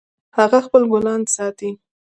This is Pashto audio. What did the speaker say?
هغه خپل ګلان ساتي